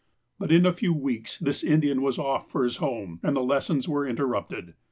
But in a few weeks this Indian was off for his home, and the lessons were inter rupted.